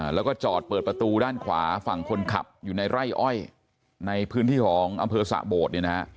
แล้วก็จอดเปิดประตูด้านขวาฝั่งคนขับอยู่ในไร่อ้อยในพื้นที่ของอำเภอสะโบดเนี่ยนะฮะ